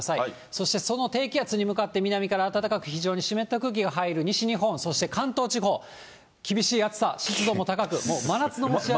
そしてその低気圧に向かって、南から暖かく非常に湿った空気が入る西日本、そして関東地方、厳しい暑さ、湿度も高く、真夏の蒸し暑さ。